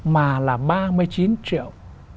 mà là ba mươi chín triệu